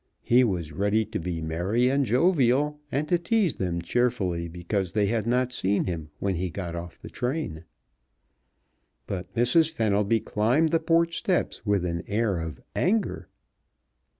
He was ready to be merry and jovial, and to tease them cheerfully because they had not seen him when he got off the train. But Mrs. Fenelby climbed the porch steps with an air of anger.